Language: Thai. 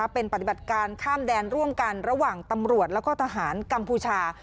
เป็นปฏิบัติการข้ามแดนร่วมกันระหว่างตำรวจแล้วก็ทหารกัมพูชา